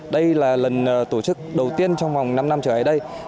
đây là lần tổ chức đầu tiên trong vòng năm năm trở lại đây